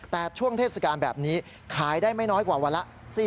แต่ช่วงเทศกาลแบบนี้ขายได้ไม่น้อยกว่าวันละ